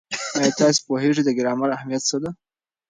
ایا تاسې پوهېږئ د ګرامر اهمیت څه دی؟